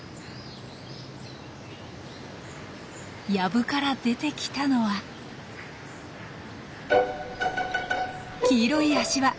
やぶから出てきたのは黄色い足環。